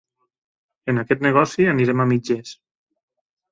En aquest negoci, anirem a mitges.